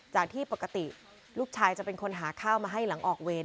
จากที่ปกติลูกชายจะเป็นคนหาข้าวมาให้หลังออกเวร